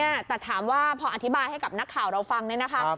เนี่ยแต่ถามว่าพออธิบายให้กับนักข่าวเราฟังเนี่ยนะคะ